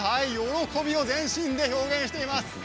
喜びを全身で表現しています。